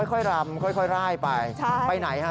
ค่อยลำค่อยก็ล่ายไป